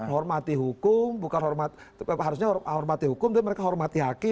hormati hukum bukan harusnya hormati hukum tapi mereka hormati hakim